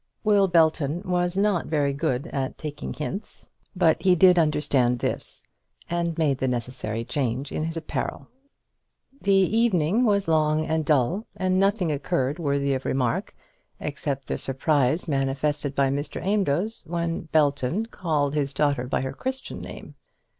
Will Belton was not very good at taking hints; but he did understand this, and made the necessary change in his apparel. The evening was long and dull, and nothing occurred worthy of remark except the surprise manifested by Mr. Amedroz when Belton called his daughter by her Christian name.